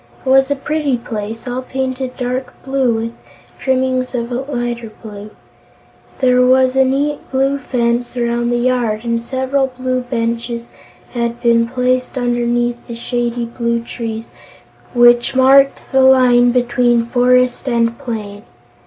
It was a pretty place, all painted dark blue with trimmings of lighter blue. There was a neat blue fence around the yard and several blue benches had been placed underneath the shady blue trees which marked the line between forest and plain.